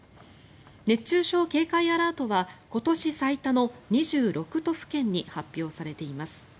熱中症警戒アラートは今年最多の２６都府県に発表されています。